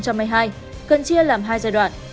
cần chia làm hai giai đoạn